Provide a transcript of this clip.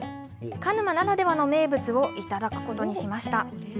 鹿沼ならではの名物を頂くことにしました。